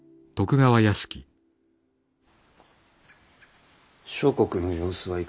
諸国の様子はいかがじゃ？